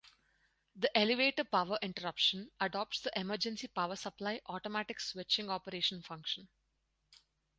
The elevator power interruption adopts the emergency power supply automatic switching operation function.